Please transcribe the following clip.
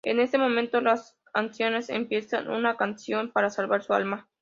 En ese momento las ancianas empiezan una canción para salvar su alma.